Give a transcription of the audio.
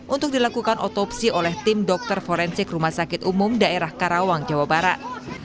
untuk dilakukan otopsi oleh tim dokter forensik rumah sakit umum daerah karawang jawa barat